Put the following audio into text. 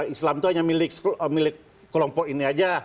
islam itu hanya milik kelompok ini aja